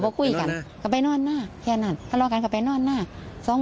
ก็คุยกันก็ไปนอนหน้าแค่นั้นทะเลาะกันก็ไปนอนหน้า